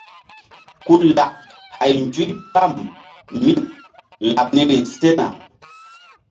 Ku lak hay nzuypam mí laɓ niri sena.